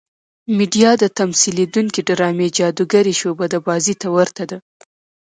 میډیا د تمثیلېدونکې ډرامې جادوګرې شعبده بازۍ ته ورته ده.